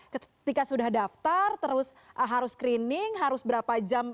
ketika sudah daftar terus harus screening harus berapa jam